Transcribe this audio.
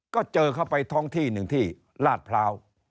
ก็เจอเข้าไปท้องที่หนึ่งที่ลาดพร้าว